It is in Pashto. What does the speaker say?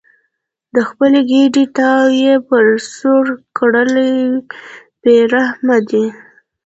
د خپلې ګېډې تاو یې پرې سوړ کړل بې رحمه دي.